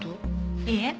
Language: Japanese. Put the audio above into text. いいえ。